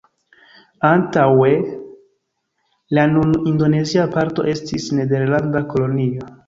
Antaŭe, la nun indonezia parto estis nederlanda kolonio.